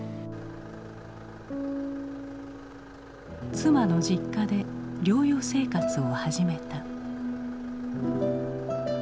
妻の実家で療養生活を始めた。